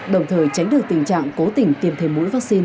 đồng thời tránh được tình trạng cố tình tìm thêm mũi vaccine